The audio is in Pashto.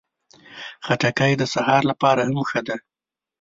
خټکی د سهار لپاره هم ښه ده.